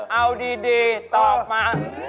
เอาดีตอบมา